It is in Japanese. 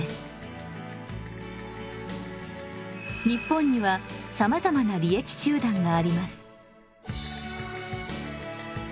日本にはさまざまな利益集団があります。